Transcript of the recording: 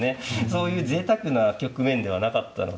そういうぜいたくな局面ではなかったので。